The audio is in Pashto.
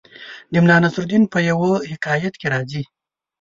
د ملا نصرالدین په یوه حکایت کې راځي